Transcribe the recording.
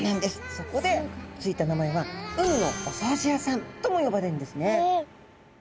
そこで付いた名前は海のお掃除屋さんとも呼ばれるんですね。